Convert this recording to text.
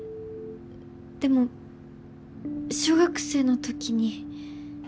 でも小学生のときに。